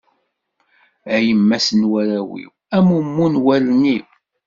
A yemma-s n warraw-iw, a mumu n wallen-iw.